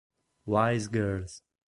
Wise Girls